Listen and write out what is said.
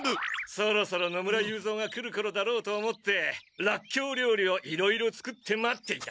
そろそろ野村雄三が来るころだろうと思ってラッキョウりょうりをいろいろ作って待っていた。